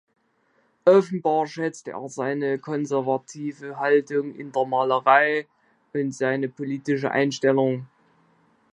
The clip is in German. Offenbar schätzte er seine konservative Haltung in der Malerei und seine politische Einstellung.